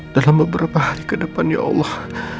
dalam beberapa hari ke depan ya allah